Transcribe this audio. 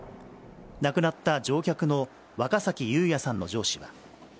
亡くなった乗客の若崎友哉さんの上司は。